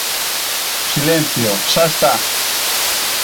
¡Silencio, xa está!